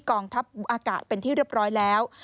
กองทัพอากาศเป็นที่เรียบร้อยแล้ว